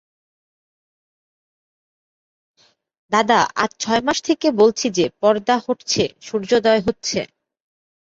দাদা, আজ ছমাস থেকে বলছি যে, পর্দা হঠছে, সূর্যোদয় হচ্ছে।